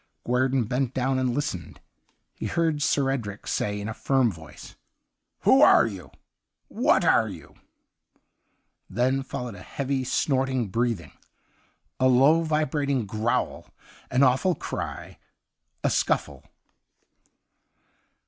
Guerdon bent down and listened. He heard Sir Edric say in a firm voice :' Who are you ? What are you ?' 1()3 THE UNDYING THING Then followed a heavy^ snorting breathing, a low, vibrating growl^ an awful cry, a scuffle.